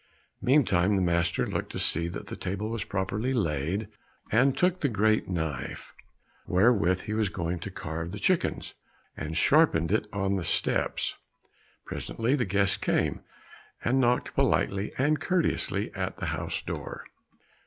Meantime the master looked to see that the table was properly laid, and took the great knife, wherewith he was going to carve the chickens, and sharpened it on the steps. Presently the guest came, and knocked politely and courteously at the house door.